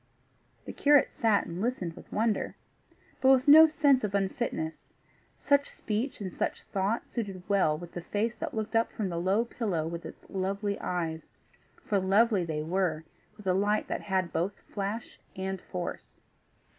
The curate sat and listened with wonder but with no sense of unfitness; such speech and such thought suited well with the face that looked up from the low pillow with its lovely eyes for lovely they were, with a light that had both flash and force.